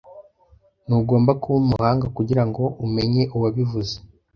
Ntugomba kuba umuhanga kugirango umenye uwabivuze.